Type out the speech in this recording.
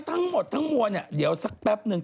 ทั้งหมดทั้งมวลเนี่ยเดี๋ยวสักแป๊บนึง